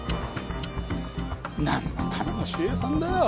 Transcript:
なんのための守衛さんだよ。